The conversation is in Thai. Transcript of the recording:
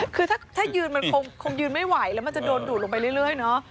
คือถ้ายืนมันคงยืนไม่ไหวแล้วมันจะโดนดูดลงไปเรื่อยเนอะ